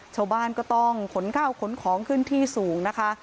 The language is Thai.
ชาวบ้านก็ต้องขนข้าวขนของขึ้นที่สูงนะคะ